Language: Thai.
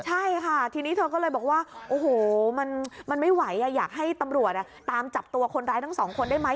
ใช่ค่ะทีนี้เธอก็เลยบอกว่าโอ้โหมันไม่ไหวอยากให้ตำรวจตามจับตัวคนร้ายทั้งสองคนได้ไหม